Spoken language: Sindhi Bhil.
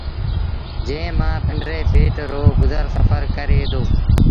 جݩهݩ مآݩ پنڊري پيٽ رو گزر سڦر ڪري دو۔